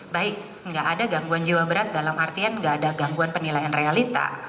baik nggak ada gangguan jiwa berat dalam artian nggak ada gangguan penilaian realita